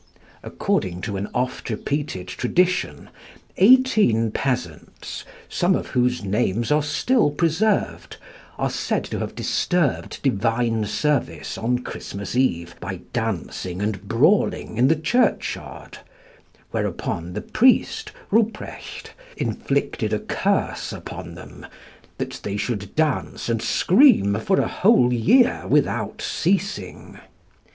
According to an oft repeated tradition, eighteen peasants, some of whose names are still preserved, are said to have disturbed divine service on Christmas Eve by dancing and brawling in the churchyard, whereupon the priest, Ruprecht, inflicted a curse upon them, that they should dance and scream for a whole year without ceasing.